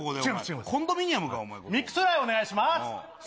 ミックスフライお願いします。